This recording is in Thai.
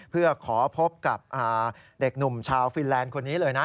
เพื่อขอพบกับเด็กหนุ่มชาวฟินแลนด์คนนี้เลยนะ